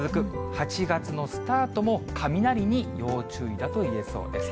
８月のスタートも雷に要注意だといえそうです。